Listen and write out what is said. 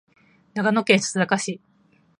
長野県須坂市